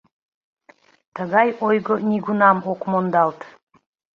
Тыгай ойго нигунам ок мондалт.